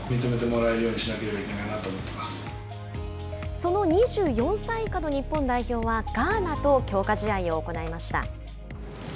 その２４歳以下の日本代表はガーナと強化試合を行いました。